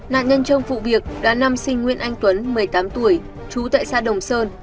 nạn nhân trong vụ việc đã năm sinh nguyên anh tuấn một mươi tám tuổi chú tại xã đồng sơn